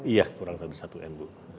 iya kurang lebih satu m bu